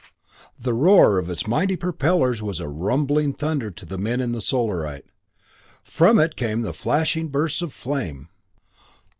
The roar of its mighty propellers was a rumbling thunder to the men in the Solarite. From it came the flashing bursts of flame.